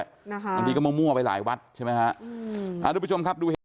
นะคะบางทีก็มั่วไปหลายวัดใช่ไหมฮะอืมเอาดูผู้ชมครับ